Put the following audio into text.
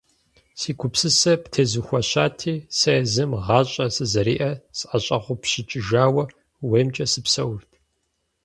Си гупсысэр птезухуэщати, сэ езым гъащӀэ сызэриӀэр сӀэщӀэгъупщыкӀыжауэ, ууеймкӀэ сыпсэурт.